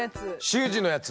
習字のやつ。